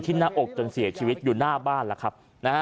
ที่หน้าอกจนเสียชีวิตอยู่หน้าบ้านล่ะครับ